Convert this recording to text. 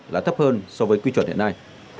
là thấp hơn so với quy chuẩn hiện nay